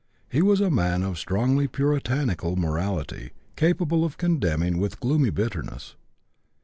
He was a man of strongly Puritanical morality, capable of condemning with gloomy bitterness.